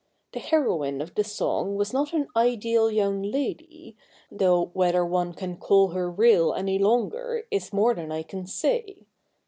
The heroine of the song was not an ideal young lady, though whether one can call her real any longer is more than I can say.